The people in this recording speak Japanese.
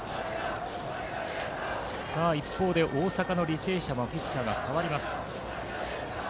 一方で大阪の履正社もピッチャーが代わります。